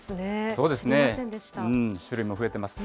そうですね、種類も増えてます。